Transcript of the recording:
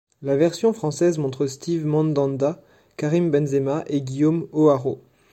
La version française montre Steve Mandanda, Karim Benzema et Guillaume Hoarau.